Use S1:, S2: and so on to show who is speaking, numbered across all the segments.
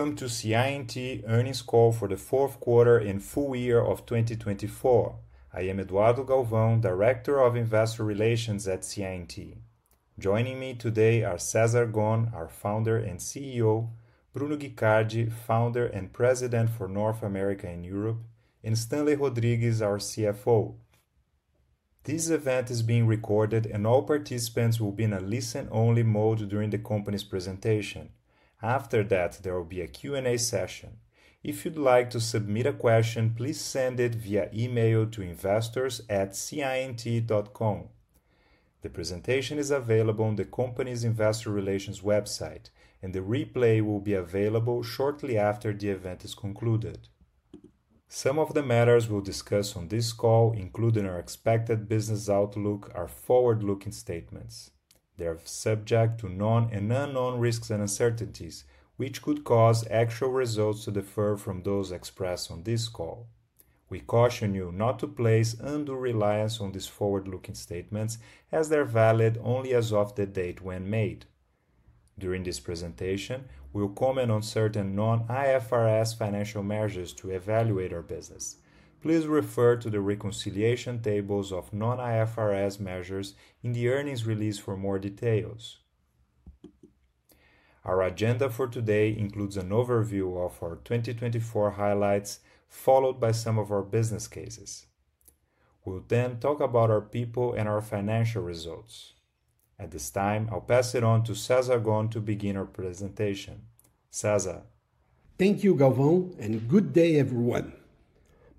S1: Welcome to CI&T Earnings Call for the fourth quarter and full year of 2024. I am Eduardo Galvão, Director of Investor Relations at CI&T. Joining me today are Cesar Gon, our Founder and CEO; Bruno Guicardi, Founder and President for North America and Europe; and Stanley Rodrigues, our CFO. This event is being recorded, and all participants will be in a listen-only mode during the company's presentation. After that, there will be a Q&A session. If you'd like to submit a question, please send it via email to investors@ciandt.com. The presentation is available on the company's Investor Relations website, and the replay will be available shortly after the event is concluded. Some of the matters we'll discuss on this call, including our expected business outlook, are forward-looking statements. They are subject to known and unknown risks and uncertainties, which could cause actual results to differ from those expressed on this call. We caution you not to place undue reliance on these forward-looking statements, as they are valid only as of the date when made. During this presentation, we'll comment on certain non-IFRS financial measures to evaluate our business. Please refer to the reconciliation tables of non-IFRS measures in the earnings release for more details. Our agenda for today includes an overview of our 2024 highlights, followed by some of our business cases. We'll then talk about our people and our financial results. At this time, I'll pass it on to Cesar Gon to begin our presentation. Cesar.
S2: Thank you, Galvão, and good day, everyone.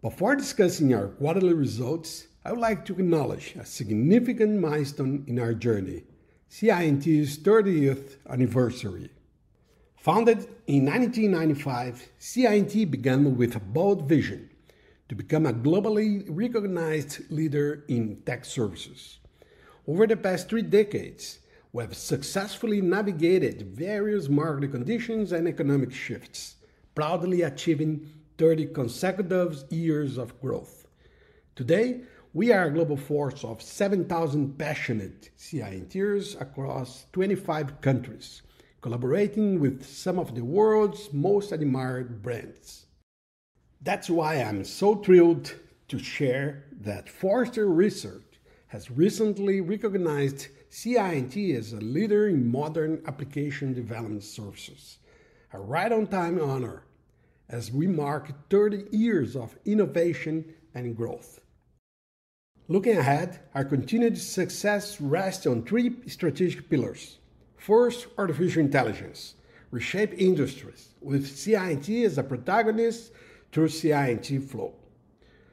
S2: Before discussing our quarterly results, I would like to acknowledge a significant milestone in our journey: CI&T's 30th anniversary. Founded in 1995, CI&T began with a bold vision to become a globally recognized leader in tech services. Over the past three decades, we have successfully navigated various market conditions and economic shifts, proudly achieving 30 consecutive years of growth. Today, we are a global force of 7,000 passionate CI&Ters across 25 countries, collaborating with some of the world's most admired brands. That's why I'm so thrilled to share that Forrester Research has recently recognized CI&T as a leader in modern application development services. A right-on-time honor, as we mark 30 years of innovation and growth. Looking ahead, our continued success rests on three strategic pillars. First, artificial intelligence: reshape industries with CI&T as a protagonist through CI&T Flow.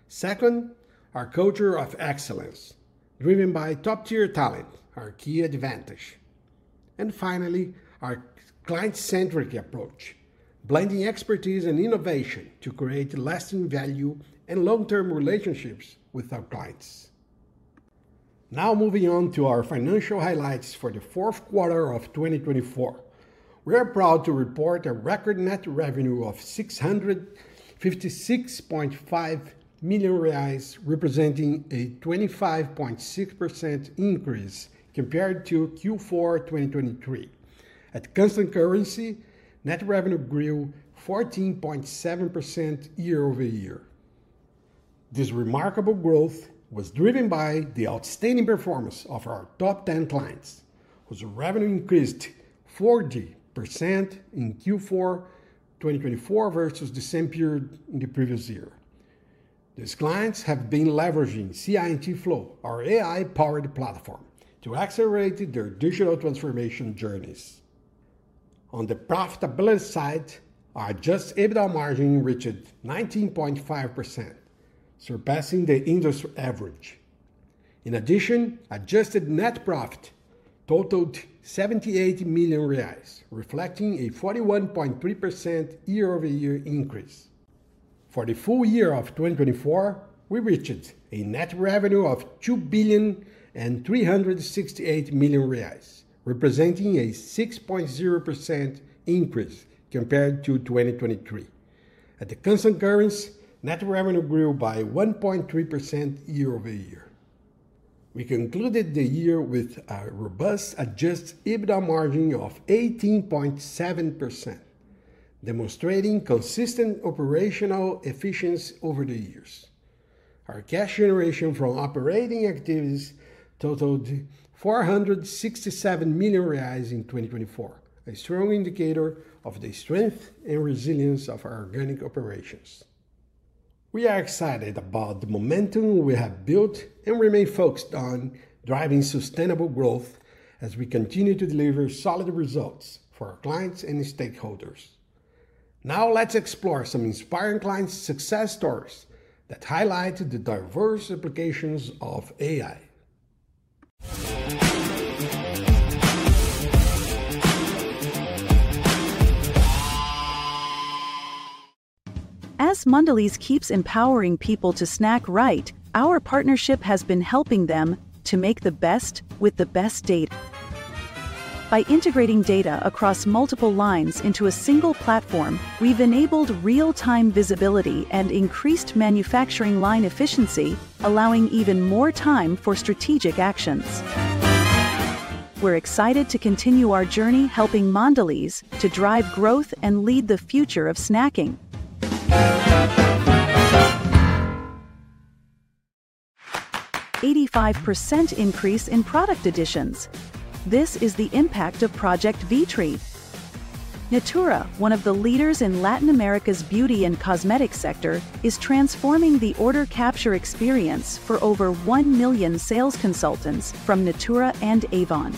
S2: Second, our culture of excellence: driven by top-tier talent, our key advantage. Finally, our client-centric approach: blending expertise and innovation to create lasting value and long-term relationships with our clients. Now, moving on to our financial highlights for the fourth quarter of 2024, we are proud to report a record net revenue of 656.5 million reais, representing a 25.6% increase compared to Q4 2023. At constant currency, net revenue grew 14.7% year-over-year. This remarkable growth was driven by the outstanding performance of our top 10 clients, whose revenue increased 40% in Q4 2024 versus the same period in the previous year. These clients have been leveraging CI&T Flow, our AI-powered platform, to accelerate their digital transformation journeys. On the profitability side, our adjusted EBITDA margin reached 19.5%, surpassing the industry average. In addition, adjusted net profit totaled 78 million reais, reflecting a 41.3% year-over-year increase. For the full year of 2024, we reached a net revenue of 2,368 million reais, representing a 6.0% increase compared to 2023. At constant currency, net revenue grew by 1.3% year-over-year. We concluded the year with a robust adjusted EBITDA margin of 18.7%, demonstrating consistent operational efficiency over the years. Our cash generation from operating activities totaled 467 million reais in 2024, a strong indicator of the strength and resilience of our organic operations. We are excited about the momentum we have built and remain focused on driving sustainable growth as we continue to deliver solid results for our clients and stakeholders. Now, let's explore some inspiring client success stories that highlight the diverse applications of AI. As Mondelez keeps empowering people to snack right, our partnership has been helping them to make the best with the best data. By integrating data across multiple lines into a single platform, we've enabled real-time visibility and increased manufacturing line efficiency, allowing even more time for strategic actions. We're excited to continue our journey helping Mondelez to drive growth and lead the future of snacking. 85% increase in product additions. This is the impact of Project Vitrine. Natura, one of the leaders in Latin America's beauty and cosmetics sector, is transforming the order capture experience for over 1 million sales consultants from Natura and Avon.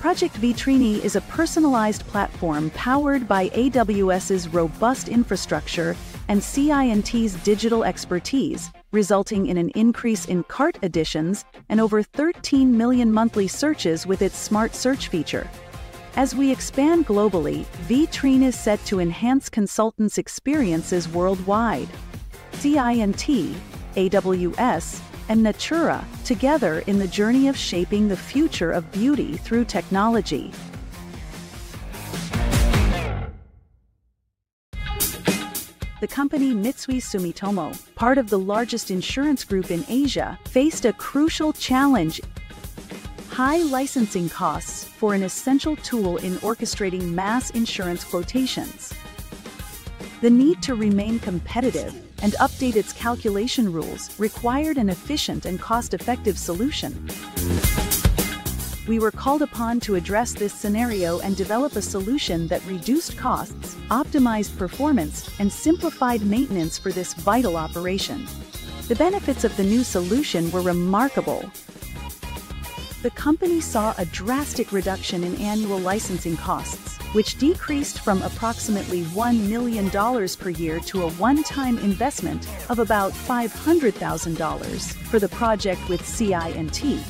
S2: Project Vitrine is a personalized platform powered by AWS's robust infrastructure and CI&T's digital expertise, resulting in an increase in cart additions and over 13 million monthly searches with its smart search feature. As we expand globally, Vitrine is set to enhance consultants' experiences worldwide. CI&T, AWS, and Natura together in the journey of shaping the future of beauty through technology. The company Mitsui Sumitomo, part of the largest insurance group in Asia, faced a crucial challenge: high licensing costs for an essential tool in orchestrating mass insurance quotations. The need to remain competitive and update its calculation rules required an efficient and cost-effective solution. We were called upon to address this scenario and develop a solution that reduced costs, optimized performance, and simplified maintenance for this vital operation. The benefits of the new solution were remarkable. The company saw a drastic reduction in annual licensing costs, which decreased from approximately $1 million per year to a one-time investment of about $500,000 for the project with CI&T.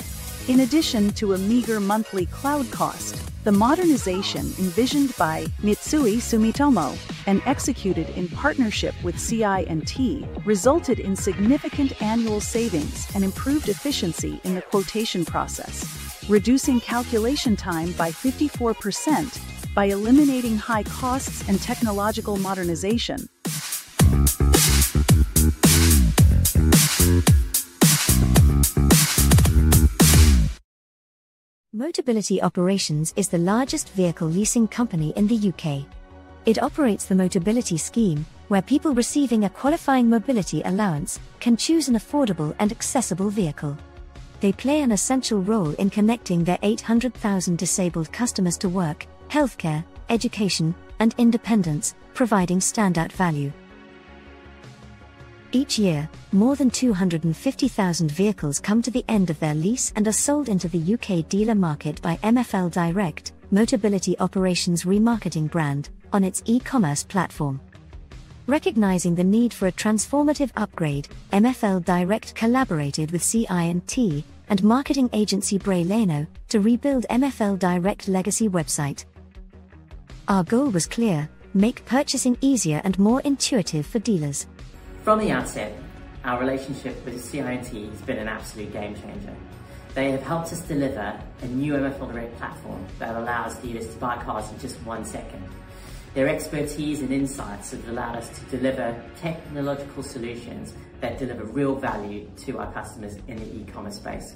S2: In addition to a meager monthly cloud cost, the modernization envisioned by Mitsui Sumitomo and executed in partnership with CI&T resulted in significant annual savings and improved efficiency in the quotation process, reducing calculation time by 54% by eliminating high costs and technological modernization. Motability Operations is the largest vehicle leasing company in the U.K. It operates the Motability Scheme, where people receiving a qualifying mobility allowance can choose an affordable and accessible vehicle. They play an essential role in connecting their 800,000 disabled customers to work, healthcare, education, and independence, providing standout value. Each year, more than 250,000 vehicles come to the end of their lease and are sold into the U.K. dealer market by MFL Direct, Motability Operations' remarketing brand, on its e-commerce platform. Recognizing the need for a transformative upgrade, MFL Direct collaborated with CI&T and marketing agency Bray Leino to rebuild MFL Direct's legacy website. Our goal was clear: make purchasing easier and more intuitive for dealers. From the outset, our relationship with CI&T has been an absolute game changer. They have helped us deliver a new MFL Direct platform that allows dealers to buy cars in just one second. Their expertise and insights have allowed us to deliver technological solutions that deliver real value to our customers in the e-commerce space.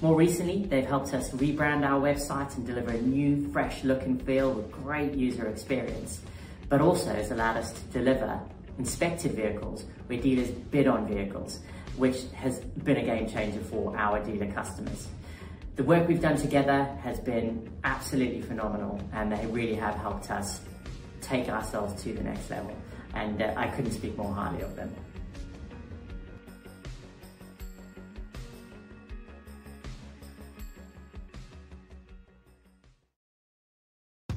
S2: More recently, they've helped us rebrand our website and deliver a new, fresh look and feel with great user experience, but also has allowed us to deliver inspected vehicles where dealers bid on vehicles, which has been a game changer for our dealer customers. The work we've done together has been absolutely phenomenal, and they really have helped us take ourselves to the next level, and I couldn't speak more highly of them.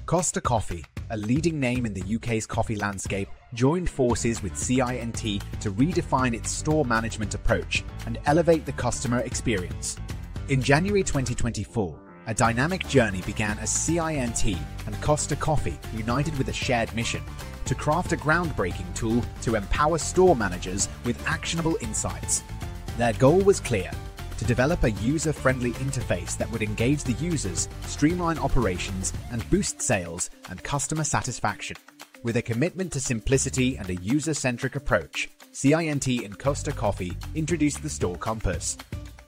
S2: Costa Coffee, a leading name in the U.K.'s coffee landscape, joined forces with CI&T to redefine its store management approach and elevate the customer experience. In January 2024, a dynamic journey began as CI&T and Costa Coffee united with a shared mission to craft a groundbreaking tool to empower store managers with actionable insights. Their goal was clear: to develop a user-friendly interface that would engage the users, streamline operations, and boost sales and customer satisfaction. With a commitment to simplicity and a user-centric approach, CI&T and Costa Coffee introduced the Store Compass.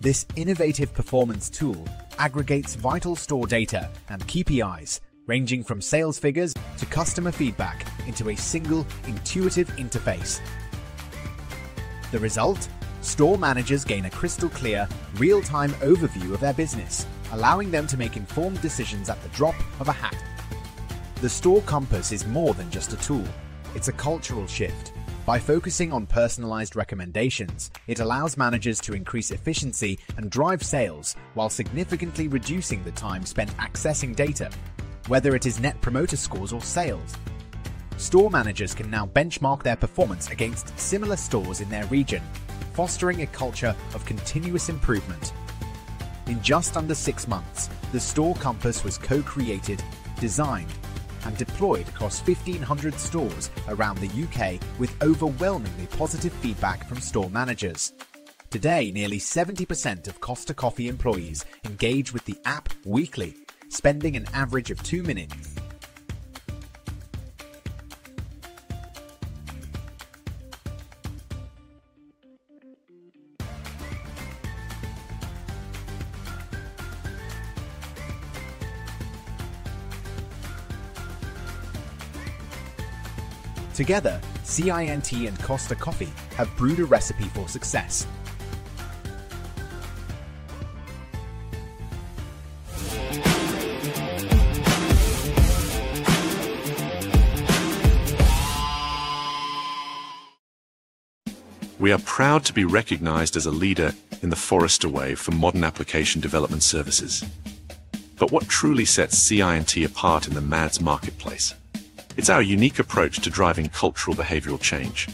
S2: This innovative performance tool aggregates vital store data and KPIs, ranging from sales figures to customer feedback, into a single, intuitive interface. The result? Store managers gain a crystal-clear, real-time overview of their business, allowing them to make informed decisions at the drop of a hat. The Store Compass is more than just a tool. It is a cultural shift. By focusing on personalized recommendations, it allows managers to increase efficiency and drive sales while significantly reducing the time spent accessing data, whether it is Net Promoter Scores or sales. Store managers can now benchmark their performance against similar stores in their region, fostering a culture of continuous improvement. In just under six months, the Store Compass was co-created, designed, and deployed across 1,500 stores around the U.K., with overwhelmingly positive feedback from store managers. Today, nearly 70% of Costa Coffee employees engage with the app weekly, spending an average of two minutes. Together, CI&T and Costa Coffee have brewed a recipe for success. We are proud to be recognized as a leader in the Forrester Wave for modern application development services. What truly sets CI&T apart in the MADS marketplace? It's our unique approach to driving cultural behavioral change.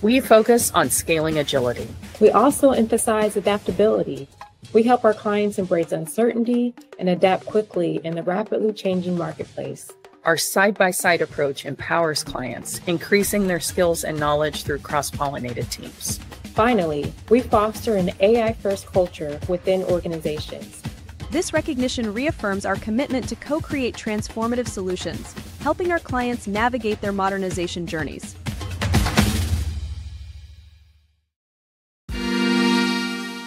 S2: We focus on scaling agility. We also emphasize adaptability. We help our clients embrace uncertainty and adapt quickly in the rapidly changing marketplace. Our side-by-side approach empowers clients, increasing their skills and knowledge through cross-pollinated teams. Finally, we foster an AI-first culture within organizations. This recognition reaffirms our commitment to co-create transformative solutions, helping our clients navigate their modernization journeys.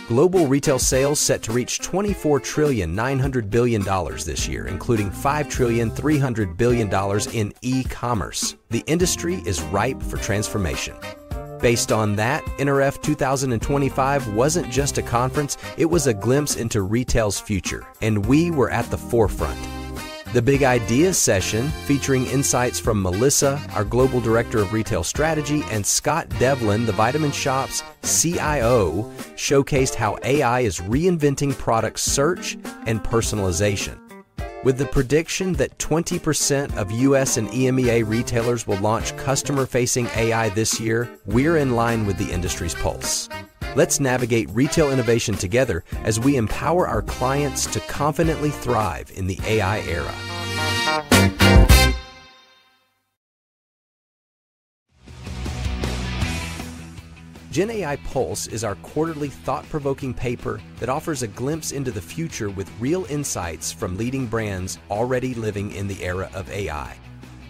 S2: Global retail sales set to reach $24.9 trillion this year, including $5.3 trillion in e-commerce. The industry is ripe for transformation. Based on that, NRF 2025 was not just a conference, it was a glimpse into retail's future, and we were at the forefront. The Big Ideas session, featuring insights from Melissa, our Global Director of Retail Strategy, and Scott Devlin, the Vitamin Shoppe's CIO, showcased how AI is reinventing product search and personalization. With the prediction that 20% of U.S. and EMEA retailers will launch customer-facing AI this year, we are in line with the industry's pulse. Let's navigate retail innovation together as we empower our clients to confidently thrive in the AI era. GenAI Pulse is our quarterly thought-provoking paper that offers a glimpse into the future with real insights from leading brands already living in the era of AI.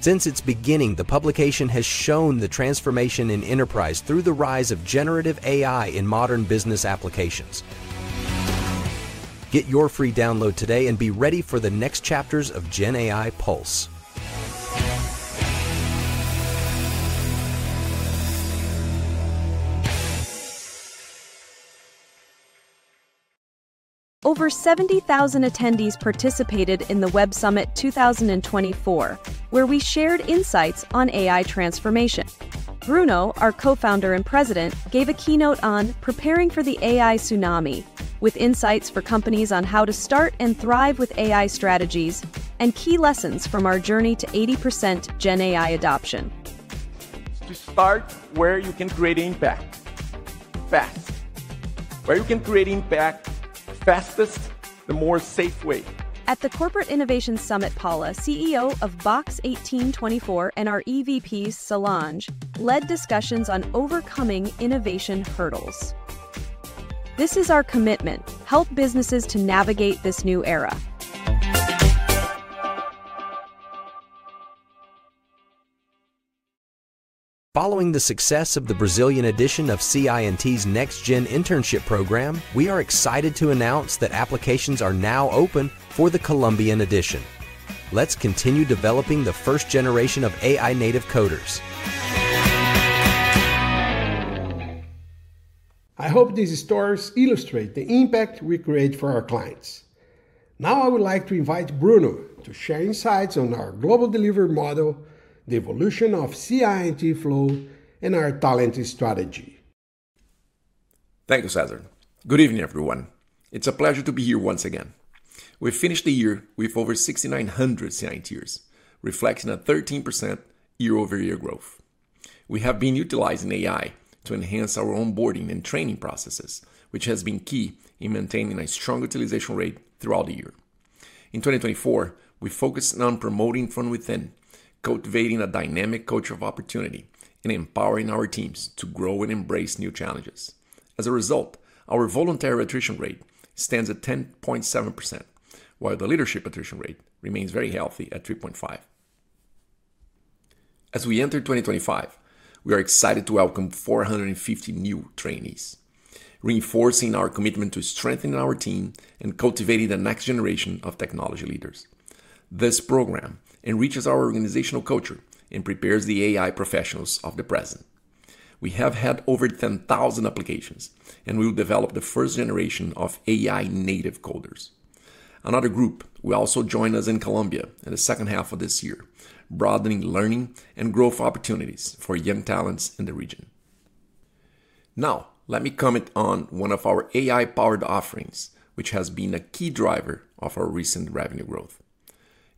S2: Since its beginning, the publication has shown the transformation in enterprise through the rise of generative AI in modern business applications. Get your free download today and be ready for the next chapters of GenAI Pulse. Over 70,000 attendees participated in the Web Summit 2024, where we shared insights on AI transformation. Bruno, our Co-Founder and President, gave a keynote on preparing for the AI tsunami, with insights for companies on how to start and thrive with AI strategies and key lessons from our journey to 80% GenAI adoption. To start where you can create impact fast, where you can create impact fastest, the more safe way. At the Corporate Innovation Summit, Paula, CEO of Box 1824, and our EVP Solange led discussions on overcoming innovation hurdles. This is our commitment: help businesses to navigate this new era. Following the success of the Brazilian edition of CI&T's Next Gen Internship Program, we are excited to announce that applications are now open for the Colombian edition. Let's continue developing the first generation of AI-native coders. I hope these stories illustrate the impact we create for our clients. Now, I would like to invite Bruno to share insights on our global delivery model, the evolution of CI&T Flow, and our talented strategy.
S3: Thank you, Cesar. Good evening, everyone. It's a pleasure to be here once again. We've finished the year with over 6,900 CI&Ters, reflecting a 13% year-over-year growth. We have been utilizing AI to enhance our onboarding and training processes, which has been key in maintaining a strong utilization rate throughout the year. In 2024, we focused on promoting from within, cultivating a dynamic culture of opportunity, and empowering our teams to grow and embrace new challenges. As a result, our voluntary attrition rate stands at 10.7%, while the leadership attrition rate remains very healthy at 3.5%. As we enter 2025, we are excited to welcome 450 new trainees, reinforcing our commitment to strengthening our team and cultivating the next generation of technology leaders. This program enriches our organizational culture and prepares the AI professionals of the present. We have had over 10,000 applications, and we will develop the first generation of AI-native coders. Another group will also join us in Colombia in the second half of this year, broadening learning and growth opportunities for young talents in the region. Now, let me comment on one of our AI-powered offerings, which has been a key driver of our recent revenue growth.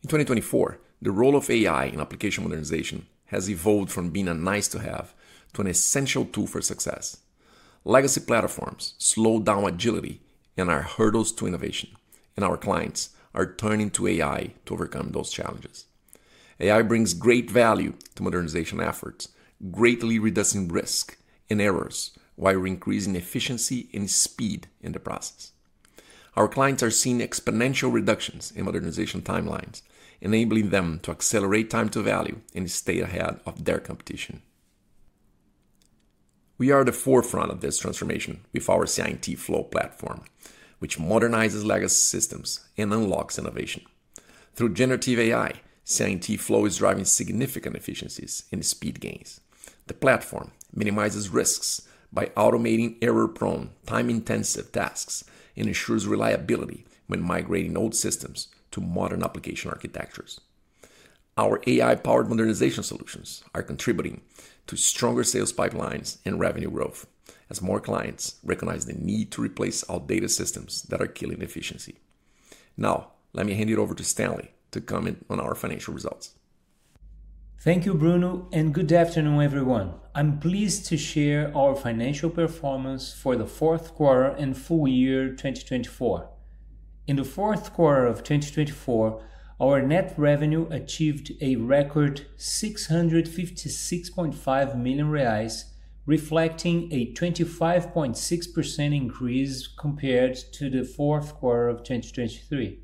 S3: In 2024, the role of AI in application modernization has evolved from being a nice-to-have to an essential tool for success. Legacy platforms slowed down agility and are hurdles to innovation, and our clients are turning to AI to overcome those challenges. AI brings great value to modernization efforts, greatly reducing risk and errors while increasing efficiency and speed in the process. Our clients are seeing exponential reductions in modernization timelines, enabling them to accelerate time to value and stay ahead of their competition. We are at the forefront of this transformation with our CI&T Flow platform, which modernizes legacy systems and unlocks innovation. Through generative AI, CI&T Flow is driving significant efficiencies and speed gains. The platform minimizes risks by automating error-prone, time-intensive tasks and ensures reliability when migrating old systems to modern application architectures. Our AI-powered modernization solutions are contributing to stronger sales pipelines and revenue growth, as more clients recognize the need to replace outdated systems that are killing efficiency. Now, let me hand it over to Stanley to comment on our financial results.
S4: Thank you, Bruno, and good afternoon, everyone. I'm pleased to share our financial performance for the fourth quarter and full year 2024. In the fourth quarter of 2024, our net revenue achieved a record 656.5 million reais, reflecting a 25.6% increase compared to the fourth quarter of 2023.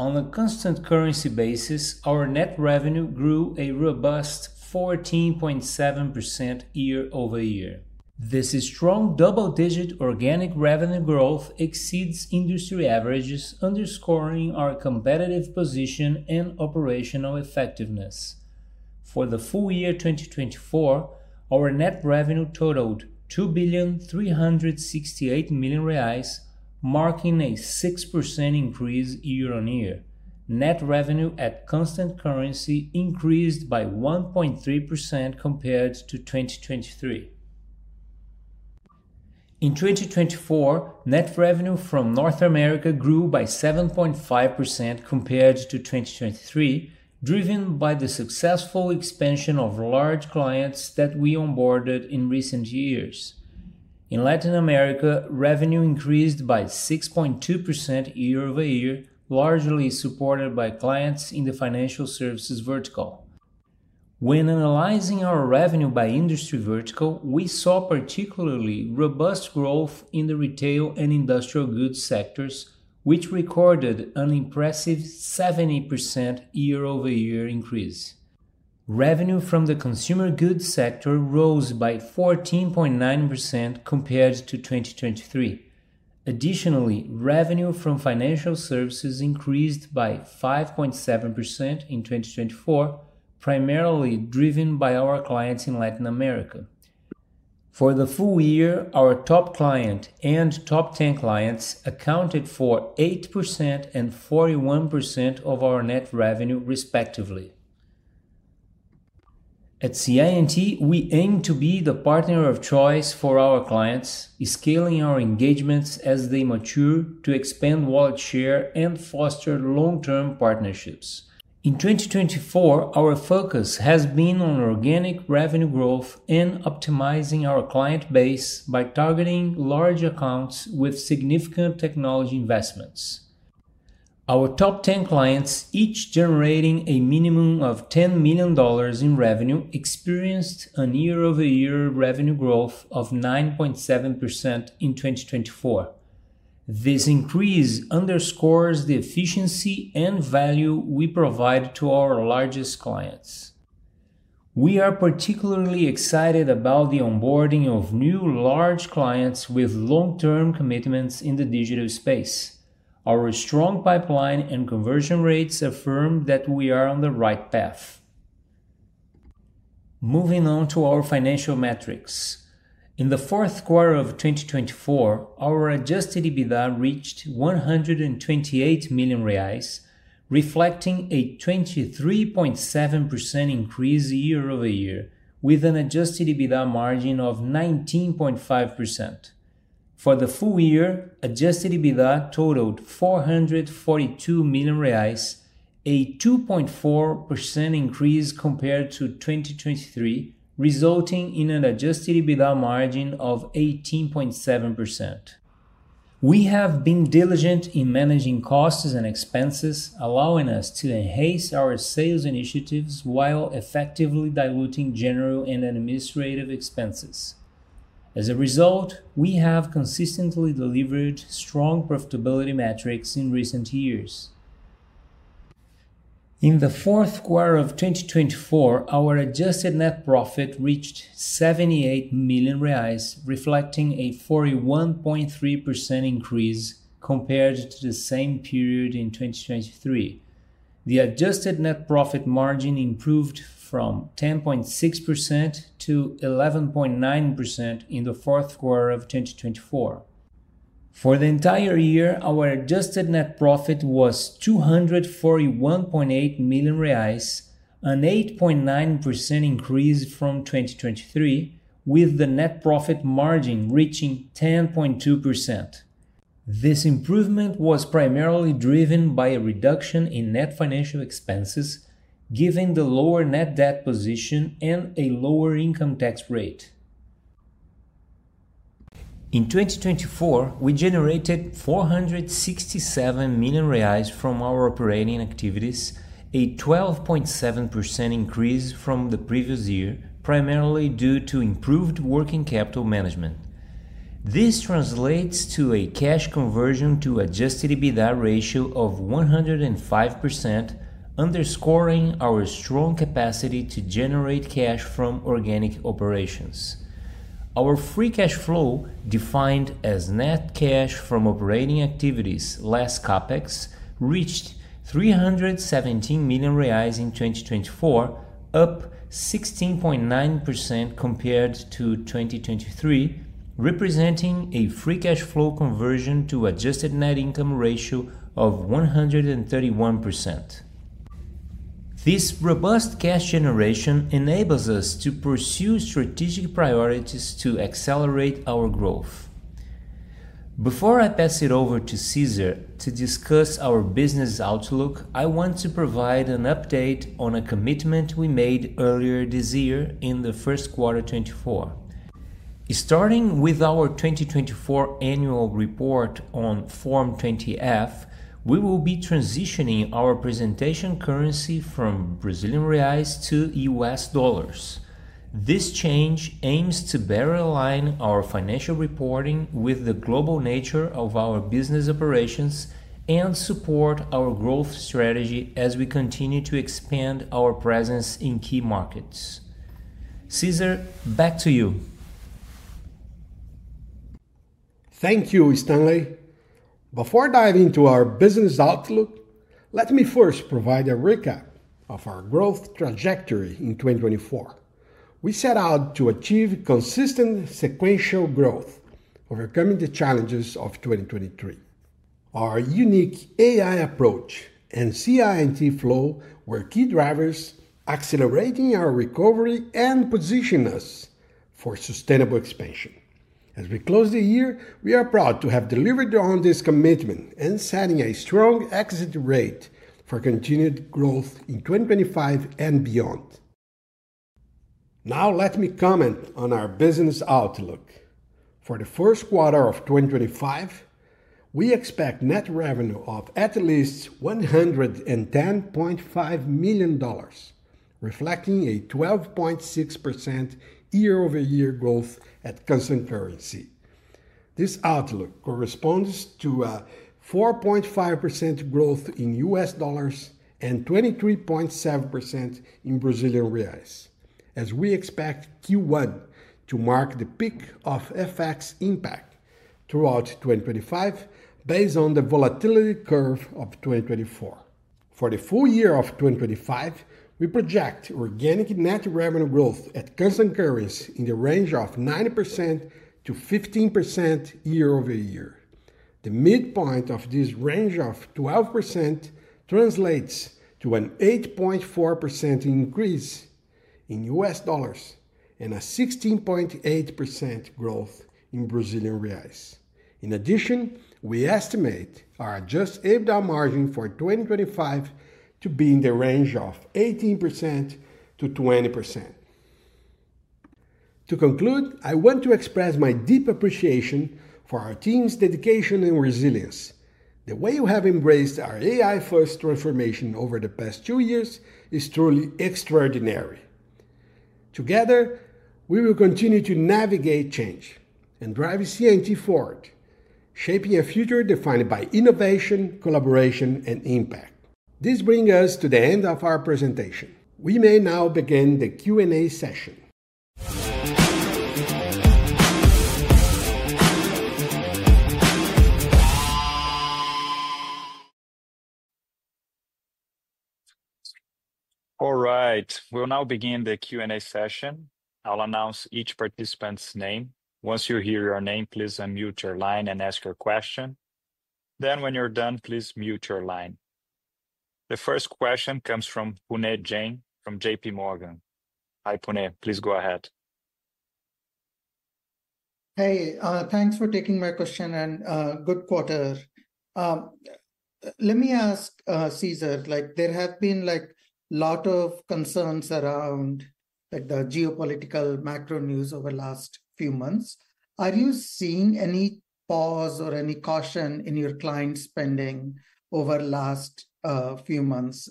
S4: On a constant currency basis, our net revenue grew a robust 14.7% year-over-year. This strong double-digit organic revenue growth exceeds industry averages, underscoring our competitive position and operational effectiveness. For the full year 2024, our net revenue totaled 2,368 million reais, marking a 6% increase year-on-year. Net revenue at constant currency increased by 1.3% compared to 2023. In 2024, net revenue from North America grew by 7.5% compared to 2023, driven by the successful expansion of large clients that we onboarded in recent years. In Latin America, revenue increased by 6.2% year-over-year, largely supported by clients in the financial services vertical. When analyzing our revenue by industry vertical, we saw particularly robust growth in the retail and industrial goods sectors, which recorded an impressive 70% year-over-year increase. Revenue from the consumer goods sector rose by 14.9% compared to 2023. Additionally, revenue from financial services increased by 5.7% in 2024, primarily driven by our clients in Latin America. For the full year, our top client and top 10 clients accounted for 8% and 41% of our net revenue, respectively. At CI&T, we aim to be the partner of choice for our clients, scaling our engagements as they mature to expand wallet share and foster long-term partnerships. In 2024, our focus has been on organic revenue growth and optimizing our client base by targeting large accounts with significant technology investments. Our top 10 clients, each generating a minimum of $10 million in revenue, experienced a year-over-year revenue growth of 9.7% in 2024. This increase underscores the efficiency and value we provide to our largest clients. We are particularly excited about the onboarding of new large clients with long-term commitments in the digital space. Our strong pipeline and conversion rates affirm that we are on the right path. Moving on to our financial metrics. In the fourth quarter of 2024, our adjusted EBITDA reached 128 million reais, reflecting a 23.7% increase year-over-year, with an adjusted EBITDA margin of 19.5%. For the full year, adjusted EBITDA totaled 442 million reais, a 2.4% increase compared to 2023, resulting in an adjusted EBITDA margin of 18.7%. We have been diligent in managing costs and expenses, allowing us to enhance our sales initiatives while effectively diluting general and administrative expenses. As a result, we have consistently delivered strong profitability metrics in recent years. In the fourth quarter of 2024, our adjusted net profit reached 78 million reais, reflecting a 41.3% increase compared to the same period in 2023. The adjusted net profit margin improved from 10.6%-11.9% in the fourth quarter of 2024. For the entire year, our adjusted net profit was 241.8 million reais, an 8.9% increase from 2023, with the net profit margin reaching 10.2%. This improvement was primarily driven by a reduction in net financial expenses, given the lower net debt position and a lower income tax rate. In 2024, we generated 467 million reais from our operating activities, a 12.7% increase from the previous year, primarily due to improved working capital management. This translates to a cash conversion to adjusted EBITDA ratio of 105%, underscoring our strong capacity to generate cash from organic operations. Our free cash flow, defined as net cash from operating activities less CapEx, reached 317 million reais in 2024, up 16.9% compared to 2023, representing a free cash flow conversion to adjusted net income ratio of 131%. This robust cash generation enables us to pursue strategic priorities to accelerate our growth. Before I pass it over to Cesar to discuss our business outlook, I want to provide an update on a commitment we made earlier this year in the first quarter 2024. Starting with our 2024 annual report on Form 20-F, we will be transitioning our presentation currency from Brazilian reais to US dollars. This change aims to better align our financial reporting with the global nature of our business operations and support our growth strategy as we continue to expand our presence in key markets. Cesar, back to you.
S2: Thank you, Stanley. Before diving into our business outlook, let me first provide a recap of our growth trajectory in 2024. We set out to achieve consistent sequential growth, overcoming the challenges of 2023. Our unique AI approach and CI&T Flow were key drivers, accelerating our recovery and positioning us for sustainable expansion. As we close the year, we are proud to have delivered on this commitment and setting a strong exit rate for continued growth in 2025 and beyond. Now, let me comment on our business outlook. For the first quarter of 2025, we expect net revenue of at least $110.5 million, reflecting a 12.6% year-over-year growth at constant currency. This outlook corresponds to a 4.5% growth in US dollars and 23.7% in Brazilian reais, as we expect Q1 to mark the peak of FX impact throughout 2025, based on the volatility curve of 2024. For the full year of 2025, we project organic net revenue growth at constant currency in the range of 9%-15% year-over-year. The midpoint of this range of 12% translates to an 8.4% increase in US dollars and a 16.8% growth in Brazilian reais. In addition, we estimate our adjusted EBITDA margin for 2025 to be in the range of 18%-20%. To conclude, I want to express my deep appreciation for our team's dedication and resilience. The way you have embraced our AI-first transformation over the past two years is truly extraordinary. Together, we will continue to navigate change and drive CI&T forward, shaping a future defined by innovation, collaboration, and impact. This brings us to the end of our presentation. We may now begin the Q&A session.
S1: All right, we'll now begin the Q&A session. I'll announce each participant's name. Once you hear your name, please unmute your line and ask your question. When you're done, please mute your line. The first question comes from Puneet Jain from JPMorgan. Hi, Puneet, please go ahead.
S5: Hey, thanks for taking my question and good quarter. Let me ask Cesar, like there have been like a lot of concerns around like the geopolitical macro news over the last few months. Are you seeing any pause or any caution in your client spending over the last few months?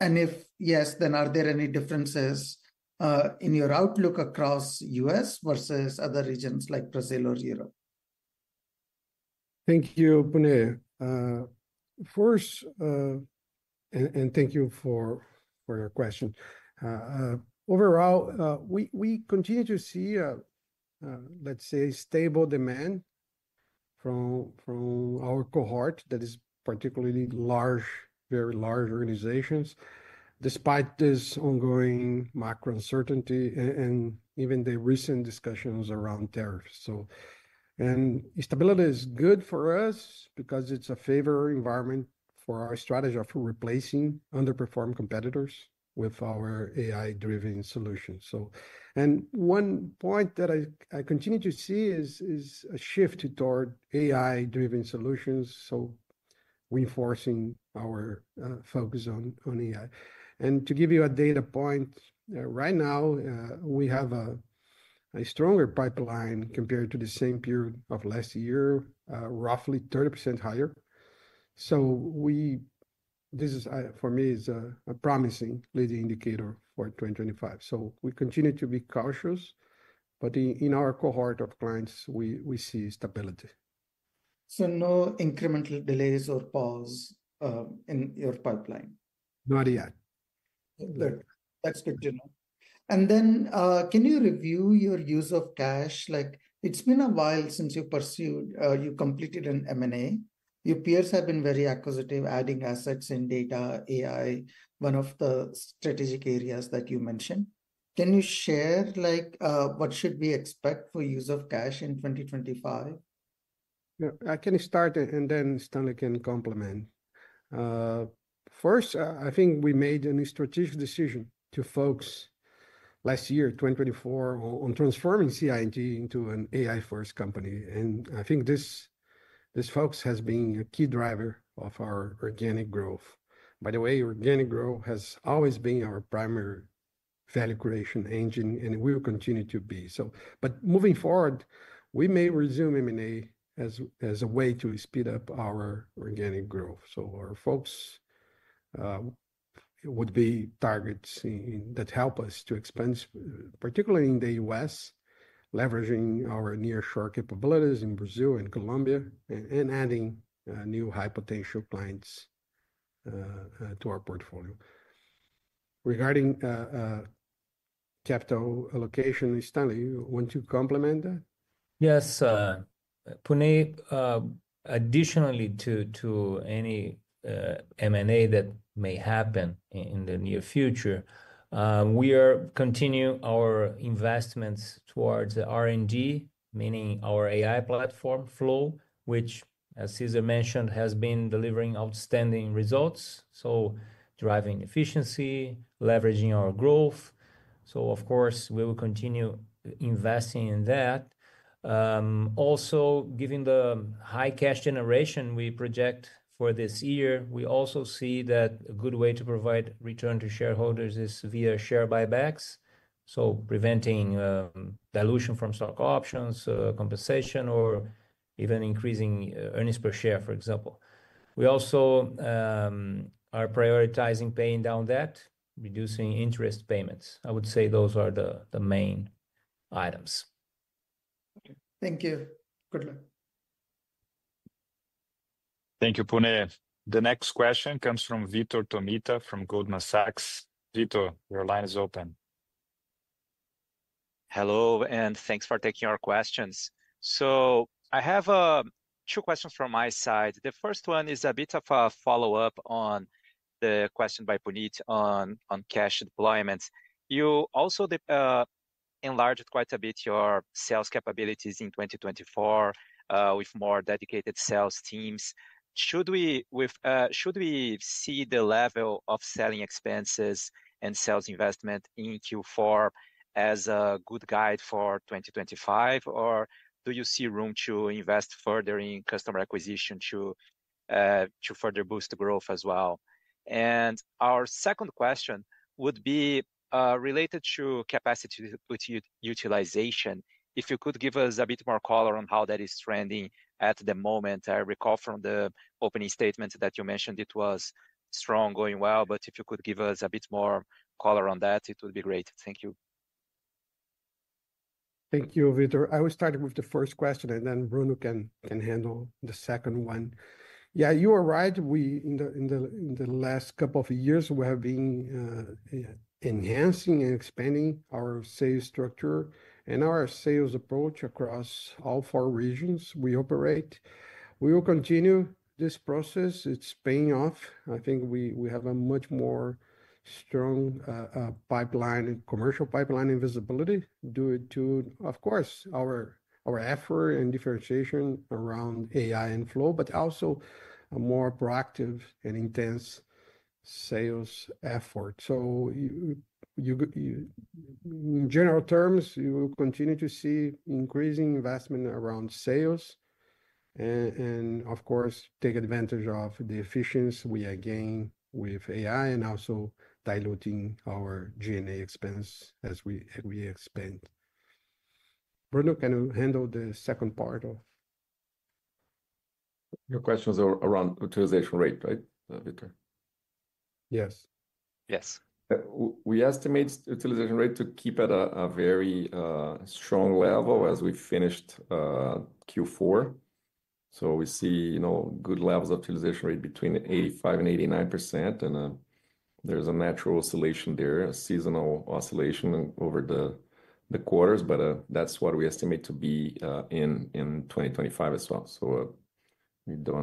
S5: If yes, then are there any differences in your outlook across the U.S. versus other regions like Brazil or Europe?
S2: Thank you, Puneet. First, and thank you for your question. Overall, we continue to see, let's say, stable demand from our cohort that is particularly large, very large organizations, despite this ongoing macro uncertainty and even the recent discussions around tariffs. Stability is good for us because it's a favorable environment for our strategy of replacing underperforming competitors with our AI-driven solutions. One point that I continue to see is a shift toward AI-driven solutions, reinforcing our focus on AI. To give you a data point, right now we have a stronger pipeline compared to the same period of last year, roughly 30% higher. This is for me, is a promising leading indicator for 2025. We continue to be cautious, but in our cohort of clients, we see stability.
S5: No incremental delays or pause in your pipeline?
S2: Not yet.
S5: Good. That's good to know. Can you review your use of cash? Like it's been a while since you pursued, you completed an M&A. Your peers have been very acquisitive, adding assets in data, AI, one of the strategic areas that you mentioned. Can you share like what should we expect for use of cash in 2025?
S2: Yeah, I can start and then Stanley can complement. First, I think we made a strategic decision to focus last year, 2024, on transforming CI&T into an AI-first company. I think this focus has been a key driver of our organic growth. By the way, organic growth has always been our primary value creation engine, and we will continue to be. Moving forward, we may resume M&A as a way to speed up our organic growth. Our focus would be targets that help us to expand, particularly in the US, leveraging our near-shore capabilities in Brazil and Colombia, and adding new high-potential clients to our portfolio. Regarding capital allocation, Stanley, you want to complement that?
S4: Yes, Puneet, additionally to any M&A that may happen in the near future, we are continuing our investments towards R&D, meaning our AI platform flow, which, as Cesar mentioned, has been delivering outstanding results. Driving efficiency, leveraging our growth. Of course, we will continue investing in that. Also, given the high cash generation we project for this year, we also see that a good way to provide return to shareholders is via share buybacks. Preventing dilution from stock options, compensation, or even increasing earnings per share, for example. We also are prioritizing paying down debt, reducing interest payments. I would say those are the main items.
S5: Okay, thank you. Good luck.
S1: Thank you, Puneet. The next question comes from Vitor Tomita from Goldman Sachs. Vitor, your line is open.
S6: Hello, and thanks for taking our questions. I have two questions from my side. The first one is a bit of a follow-up on the question by Puneet on cash deployments. You also enlarged quite a bit your sales capabilities in 2024 with more dedicated sales teams. Should we see the level of selling expenses and sales investment in Q4 as a good guide for 2025, or do you see room to invest further in customer acquisition to further boost the growth as well? Our second question would be related to capacity utilization. If you could give us a bit more color on how that is trending at the moment. I recall from the opening statement that you mentioned it was strong, going well, but if you could give us a bit more color on that, it would be great. Thank you.
S2: Thank you, Vitor. I will start with the first question, and then Bruno can handle the second one. Yeah, you are right. In the last couple of years, we have been enhancing and expanding our sales structure and our sales approach across all four regions we operate. We will continue this process. It's paying off. I think we have a much more strong pipeline and commercial pipeline and visibility due to, of course, our effort and differentiation around AI and Flow, but also a more proactive and intense sales effort. In general terms, you will continue to see increasing investment around sales, and of course, take advantage of the efficiency we are gaining with AI and also diluting our G&A expense as we expand. Bruno, can you handle the second part of?
S3: Your question was around utilization rate, right, Vitor?
S2: Yes.
S6: Yes.
S1: We estimate utilization rate to keep at a very strong level as we finished Q4. We see good levels of utilization rate between 85%-89%, and there is a natural oscillation there, a seasonal oscillation over the quarters, but that is what we estimate to be in 2025 as well. We do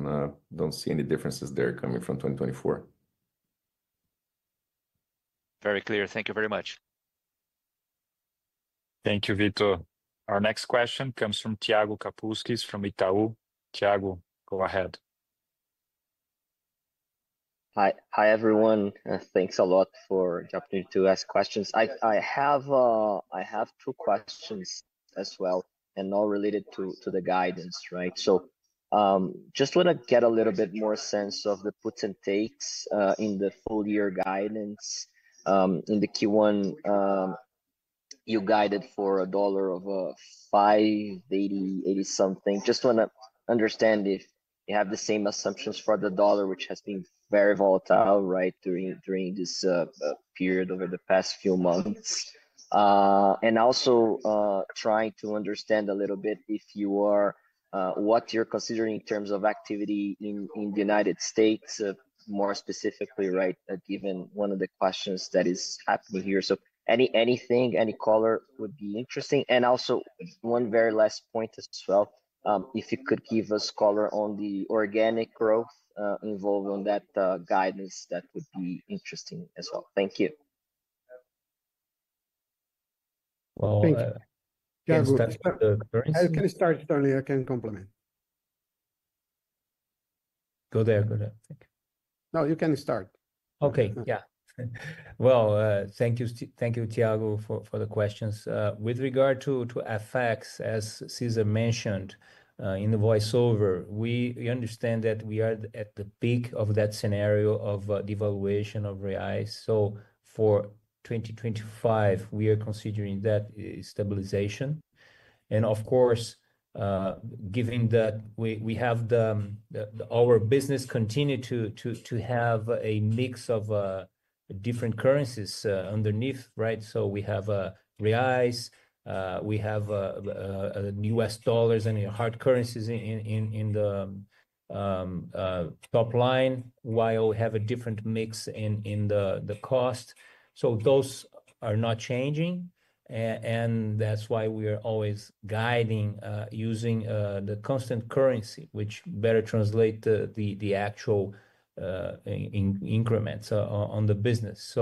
S1: not see any differences there coming from 2024.
S6: Very clear. Thank you very much.
S1: Thank you, Vitor. Our next question comes from Thiago Kapulskis from Itaú. Thiago, go ahead.
S7: Hi, everyone. Thanks a lot for the opportunity to ask questions. I have two questions as well, and all related to the guidance, right? Just want to get a little bit more sense of the puts and takes in the full-year guidance. In the Q1, you guided for a dollar of 5.80, 80 something. Just want to understand if you have the same assumptions for the dollar, which has been very volatile, right, during this period over the past few months. Also trying to understand a little bit if you are what you're considering in terms of activity in the United States, more specifically, right, given one of the questions that is happening here. Anything, any color would be interesting. Also one very last point as well. If you could give us color on the organic growth involved on that guidance, that would be interesting as well. Thank you.
S2: Can you start, Stanley? I can complement.
S4: Go there, go there.
S2: No, you can start.
S4: Okay, yeah. Thank you, Thiago, for the questions. With regard to FX, as Cesar mentioned in the voiceover, we understand that we are at the peak of that scenario of devaluation of reais. For 2025, we are considering that stabilization. Of course, given that we have our business continue to have a mix of different currencies underneath, right? We have reais, we have US dollars and hard currencies in the top line, while we have a different mix in the cost. Those are not changing, and that is why we are always guiding using the constant currency, which better translates the actual increments on the business.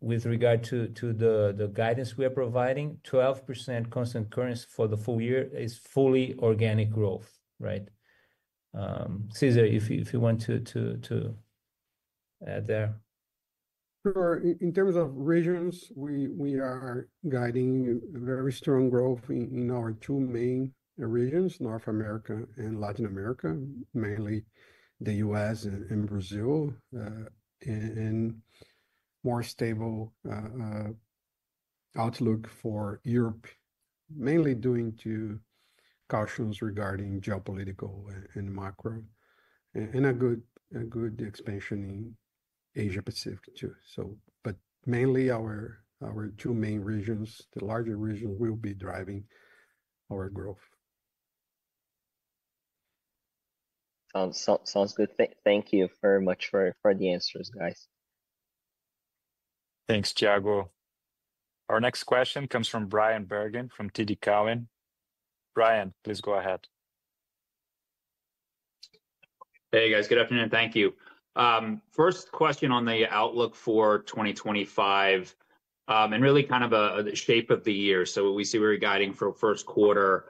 S4: With regard to the guidance we are providing, 12% constant currency for the full year is fully organic growth, right? Cesar, if you want to add there.
S2: Sure. In terms of regions, we are guiding very strong growth in our two main regions, North America and Latin America, mainly the U.S. and Brazil, and more stable outlook for Europe, mainly due to cautions regarding geopolitical and macro, and a good expansion in Asia-Pacific too. Mainly our two main regions, the larger region will be driving our growth.
S7: Sounds good. Thank you very much for the answers, guys.
S1: Thanks, Thiago. Our next question comes from Bryan Bergin from TD Cowen. Brian, please go ahead.
S8: Hey, guys, good afternoon. Thank you. First question on the outlook for 2025, and really kind of the shape of the year. You know, we see where we're guiding for first quarter,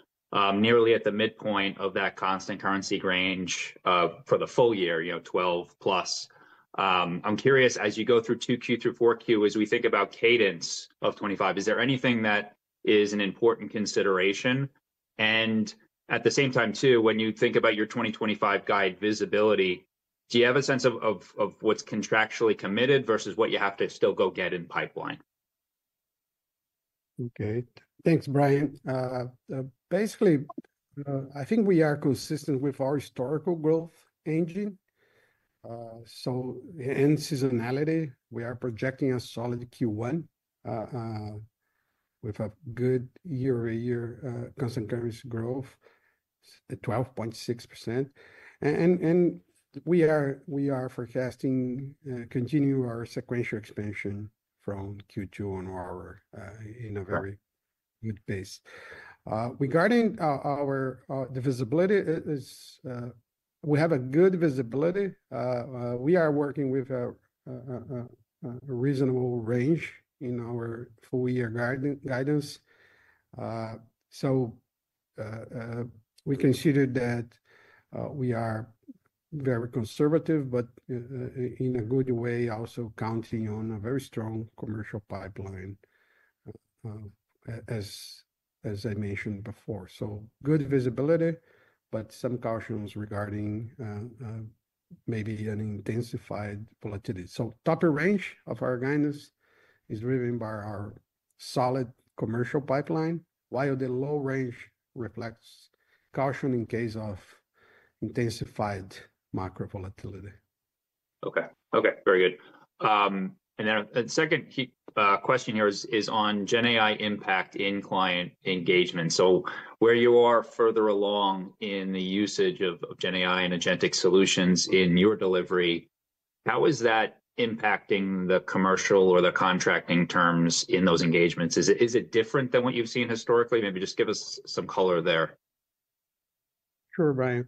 S8: nearly at the midpoint of that constant currency range for the full year, you know, 12 plus. I'm curious, as you go through Q2 to Q4, as we think about cadence of 2025, is there anything that is an important consideration? At the same time too, when you think about your 2025 guide visibility, do you have a sense of what's contractually committed versus what you have to still go get in pipeline?
S2: Okay, thanks, Bryan. Basically, I think we are consistent with our historical growth engine. In seasonality, we are projecting a solid Q1 with a good year-over-year constant currency growth, 12.6%. We are forecasting to continue our sequential expansion from Q2 onward at a very good pace. Regarding the visibility, we have good visibility. We are working with a reasonable range in our full-year guidance. We consider that we are very conservative, but in a good way, also counting on a very strong commercial pipeline, as I mentioned before. Good visibility, but some cautions regarding maybe an intensified volatility. The top range of our guidance is driven by our solid commercial pipeline, while the low range reflects caution in case of intensified macro volatility.
S8: Okay, okay, very good. The second question here is on GenAI impact in client engagement. Where you are further along in the usage of GenAI and agentic solutions in your delivery, how is that impacting the commercial or the contracting terms in those engagements? Is it different than what you've seen historically? Maybe just give us some color there.
S2: Sure, Bryan.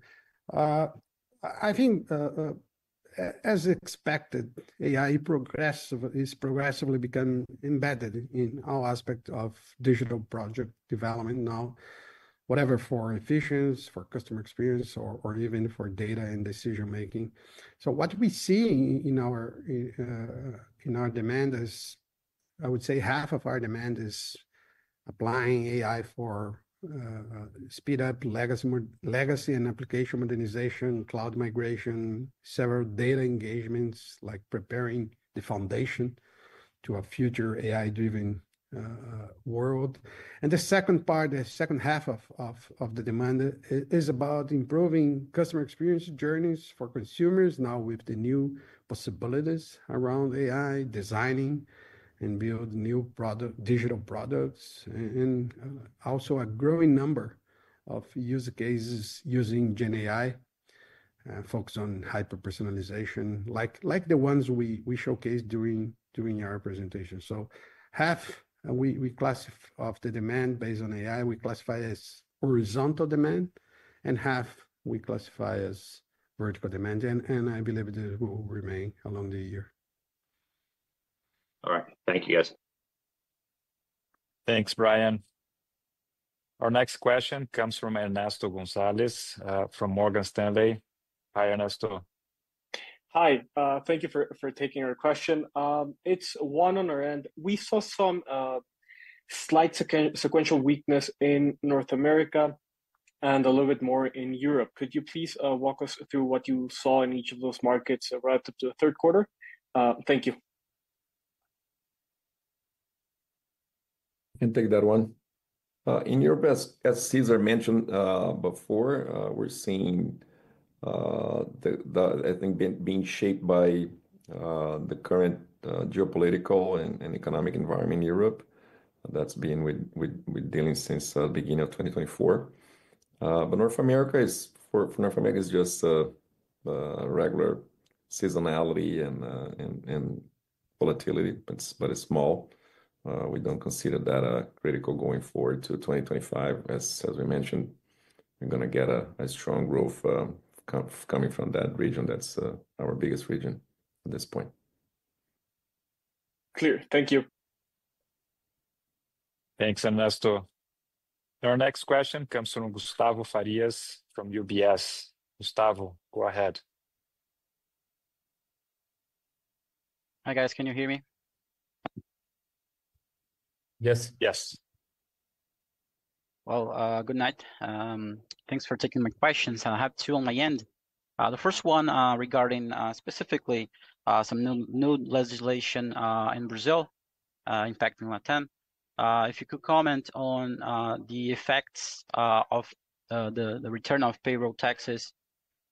S2: I think as expected, AI is progressively becoming embedded in all aspects of digital project development now, whatever for efficiency, for customer experience, or even for data and decision-making. What we see in our demand is, I would say half of our demand is applying AI for speed-up legacy and application modernization, cloud migration, several data engagements, like preparing the foundation to a future AI-driven world. The second part, the second half of the demand is about improving customer experience journeys for consumers now with the new possibilities around AI, designing and building new digital products, and also a growing number of use cases using GenAI, focus on hyper-personalization, like the ones we showcased during our presentation. Half we classify of the demand based on AI, we classify as horizontal demand, and half we classify as vertical demand. I believe that will remain along the year.
S8: All right, thank you, guys.
S1: Thanks, Bryan. Our next question comes from Ernesto Gonzalez from Morgan Stanley. Hi, Ernesto.
S9: Hi, thank you for taking our question. It's one on our end. We saw some slight sequential weakness in North America and a little bit more in Europe. Could you please walk us through what you saw in each of those markets right up to the third quarter? Thank you.
S3: I can take that one. In Europe, as Cesar mentioned before, we're seeing the, I think, being shaped by the current geopolitical and economic environment in Europe that's been dealing since the beginning of 2024. North America is just regular seasonality and volatility, but it's small. We don't consider that critical going forward to 2025. As we mentioned, we're going to get a strong growth coming from that region. That's our biggest region at this point.
S9: Clear, thank you.
S1: Thanks, Ernesto. Our next question comes from Gustavo Farias from UBS. Gustavo, go ahead.
S10: Hi guys, can you hear me?
S2: Yes.
S10: Yes. Good night. Thanks for taking my questions. I have two on my end. The first one regarding specifically some new legislation in Brazil impacting Latam. If you could comment on the effects of the return of payroll taxes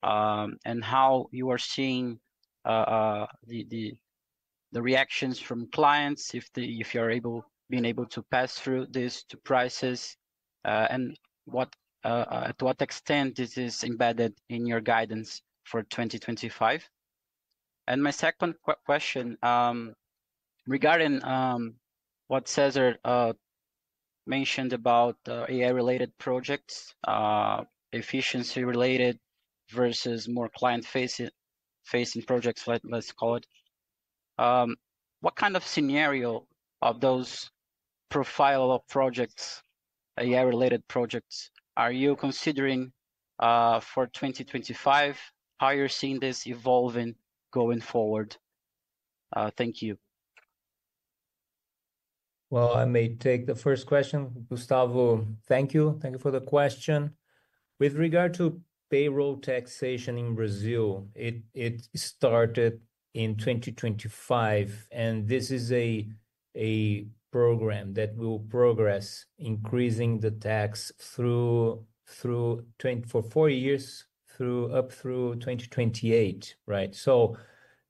S10: and how you are seeing the reactions from clients, if you are being able to pass through this to prices, and to what extent this is embedded in your guidance for 2025. My second question regarding what Cesar mentioned about AI-related projects, efficiency-related versus more client-facing projects, let's call it. What kind of scenario of those profile of projects, AI-related projects, are you considering for 2025? How are you seeing this evolving going forward? Thank you.
S4: I may take the first question. Gustavo, thank you. Thank you for the question. With regard to payroll taxation in Brazil, it started in 2025, and this is a program that will progress, increasing the tax for four years, up through 2028, right?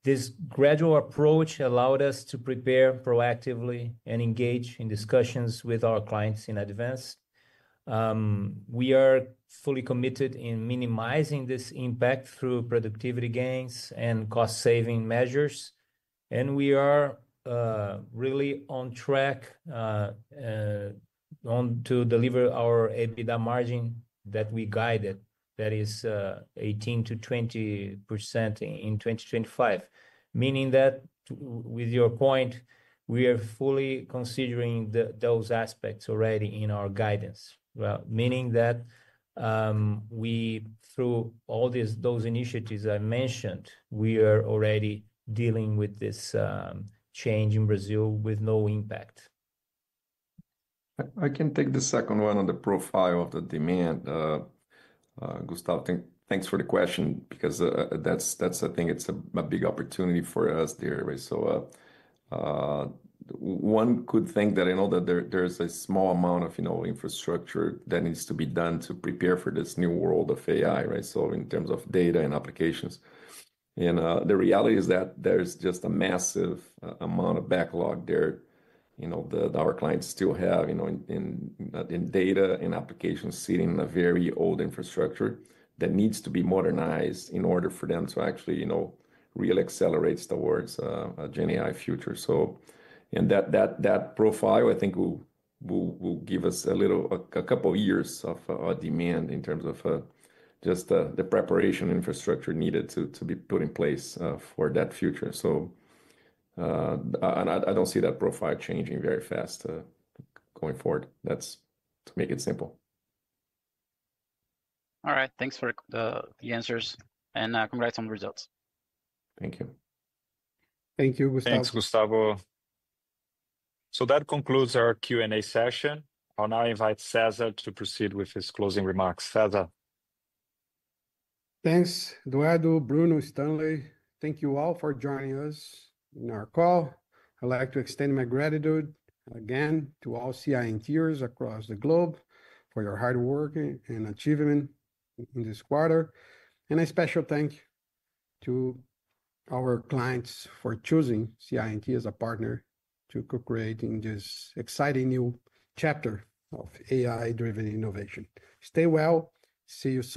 S4: This gradual approach allowed us to prepare proactively and engage in discussions with our clients in advance. We are fully committed in minimizing this impact through productivity gains and cost-saving measures. We are really on track to deliver our EBITDA margin that we guided, that is 18%-20% in 2025. Meaning that, with your point, we are fully considering those aspects already in our guidance. Meaning that we, through all those initiatives I mentioned, we are already dealing with this change in Brazil with no impact.
S11: I can take the second one on the profile of the demand. Gustavo, thanks for the question because that's, I think it's a big opportunity for us there, right? One could think that I know that there's a small amount of infrastructure that needs to be done to prepare for this new world of AI, right? In terms of data and applications. The reality is that there's just a massive amount of backlog there. Our clients still have data and applications sitting in a very old infrastructure that needs to be modernized in order for them to actually really accelerate towards a GenAI future. That profile, I think, will give us a couple of years of demand in terms of just the preparation infrastructure needed to be put in place for that future. I don't see that profile changing very fast going forward. That's to make it simple.
S10: All right, thanks for the answers. Congrats on the results.
S3: Thank you.
S1: Thank you, Gustavo. Thanks, Gustavo. That concludes our Q&A session. I'll now invite Cesar to proceed with his closing remarks. Cesar.
S2: Thanks, Eduardo, Bruno, Stanley. Thank you all for joining us in our call. I'd like to extend my gratitude again to all CI&Ters across the globe for your hard work and achievement in this quarter. A special thank you to our clients for choosing CI&T as a partner to co-create in this exciting new chapter of AI-driven innovation. Stay well. See you.